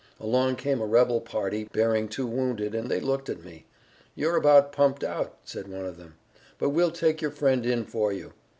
Along came a rebel party, bearing two wounded, and they looked at me. 'You're about pumped out,' said one of them, 'but we'll take your friend in for you.'